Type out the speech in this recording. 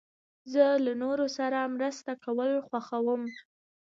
زه له نورو سره مرسته کول خوښوم.